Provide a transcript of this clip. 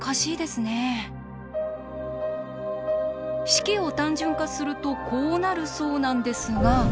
式を単純化するとこうなるそうなんですが。